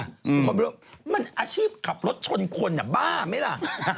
คนไม่รู้ว่ามันอาชีพขับรถชนคนบ้าไหมล่ะ